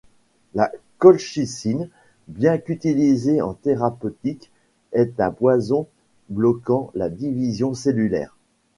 La colchicine, bien qu’utilisée en thérapeutique est un poison bloquant la division cellulaire.